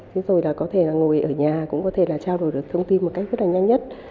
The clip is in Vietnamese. chứ rồi là có thể ngồi ở nhà cũng có thể trao đổi được thông tin một cách rất là nhanh nhất